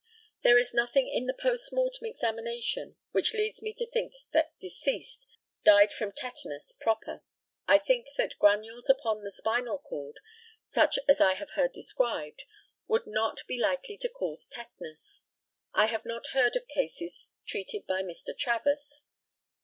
There is nothing in the post mortem examination which leads me to think that deceased died from tetanus proper. I think that granules upon the spinal cord, such as I have heard described, would not be likely to cause tetanus. I have not heard of cases treated by Mr. Travers.